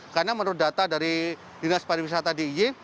karena menurut data dari dinas pariwisata diy